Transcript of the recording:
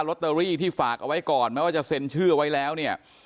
ลอตเตอรี่ที่ฝากเอาไว้ก่อนแม้ว่าจะเซ็นชื่อไว้แล้วเนี่ย